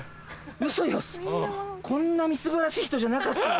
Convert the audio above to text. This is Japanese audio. ウソよこんなみすぼらしい人じゃなかったわ。